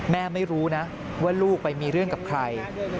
ไม่รู้นะว่าลูกไปมีเรื่องกับใคร